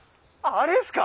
あれですか？